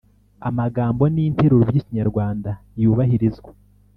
amagambo n’interuro by’Ikinyarwanda yubahirizwa